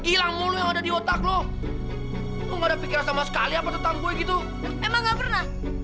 gilang mulut ada di otak lo enggak pikir sama sekali apa tentang gue gitu emang nggak pernah